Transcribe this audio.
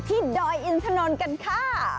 ดอยอินทนนท์กันค่ะ